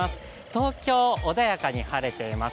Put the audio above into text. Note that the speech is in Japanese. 東京、穏やかに晴れています。